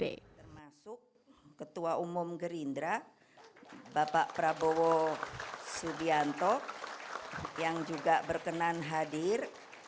termasuk ketua umum gerindra bapak prabowo subianto yang juga berkenan hadir